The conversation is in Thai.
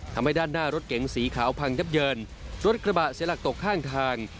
ทำให้ด้านหน้ารถเก๋งสีขาวพังยับเยินรถกระบะเสียหลักตกข้างทาง